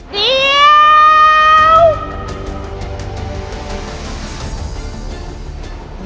เดี๋ยว